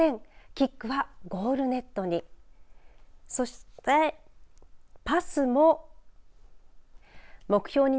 キックはゴールネットに。